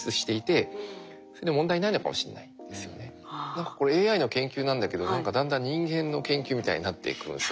何かこれＡＩの研究なんだけど何かだんだん人間の研究みたいになっていくんですよね。